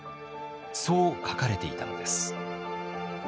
そう書かれていたのです。